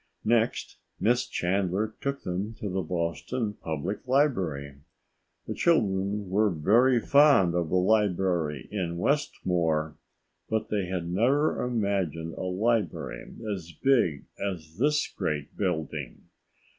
Next, Miss Chandler took them to the Boston Public Library. The children were very fond of the library in Westmore, but they had never imagined a library as big as this great building.